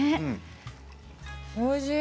おいしい。